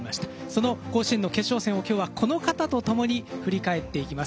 その甲子園の決勝戦を今日はこの方と共に振り返っていきます。